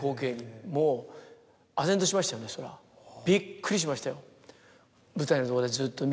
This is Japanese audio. そりゃびっくりしましたよ。